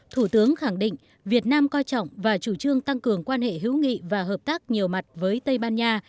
thủ tướng khẳng định việt nam coi trọng và chủ trương tăng cường quan hệ hữu nghị và hợp tác nhiều mặt với tây ban nha